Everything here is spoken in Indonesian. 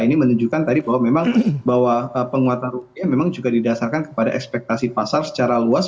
ini menunjukkan tadi bahwa memang bahwa penguatan rupiah memang juga didasarkan kepada ekspektasi pasar secara luas